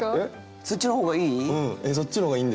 そっちの方がいい？